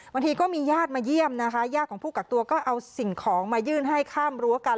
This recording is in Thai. บางทีก็มีญาติมาเยี่ยมนะคะญาติของผู้กักตัวก็เอาสิ่งของมายื่นให้ข้ามรั้วกัน